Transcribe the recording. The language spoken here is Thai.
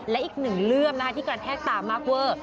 และอีกหนึ่งเรื่องนะคะที่กระแทกตามากเวอร์